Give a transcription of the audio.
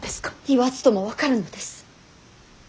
言わずとも分かるのです。